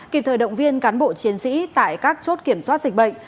kịp thời động viên cán bộ chiến sĩ tại các chốt kiểm soát dịch bệnh